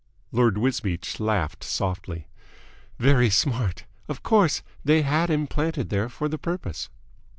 Lord Wisbeach laughed softly. "Very smart. Of course they had him planted there for the purpose."